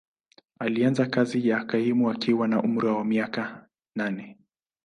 Alianza kazi ya kaimu akiwa na umri wa miaka nane.